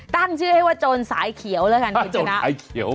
ตั้งชื่อให้ว่าโจรสายเขียวแล้วกันคุณชนะ